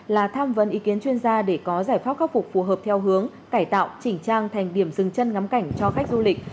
là tham vấn ý kiến chuyên gia để có giải pháp khắc phục phù hợp theo hướng cải tạo chỉnh trang thành điểm dừng chân ngắm cảnh cho khách du lịch